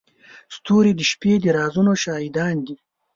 ستوري د شپې د رازونو شاهدان دي.